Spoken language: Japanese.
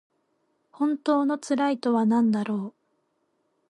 本当の幸いとはなんだろう。